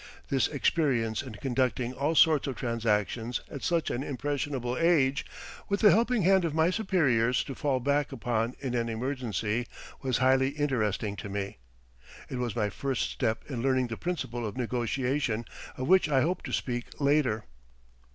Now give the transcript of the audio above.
This experience in conducting all sorts of transactions at such an impressionable age, with the helping hand of my superiors to fall back upon in an emergency was highly interesting to me. It was my first step in learning the principle of negotiation, of which I hope to speak later.